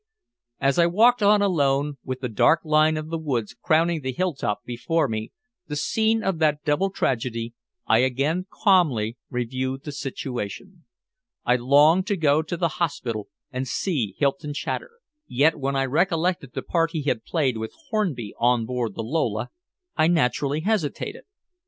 As I walked on alone, with the dark line of woods crowning the hill top before me, the scene of that double tragedy, I again calmly reviewed the situation. I longed to go to the hospital and see Hylton Chater, yet when I recollected the part he had played with Hornby on board the Lola, I naturally hesitated.